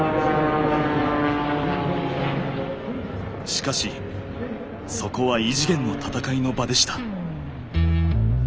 しかしそこは異次元の闘いの場でした。